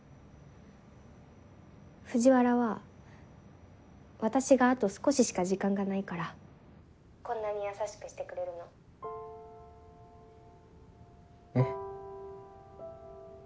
藤原は私があと少ししか時間がないからこんなに優しくしてくれるの？え？